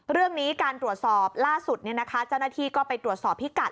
เรื่องนี้การตรวจสอบล่าสุดเจ้าหน้าที่ก็ไปตรวจสอบพิกัด